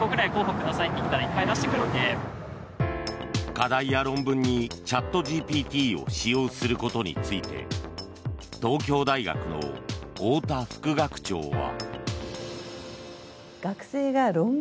課題や論文にチャットＧＰＴを使用することについて東京大学の太田副学長は。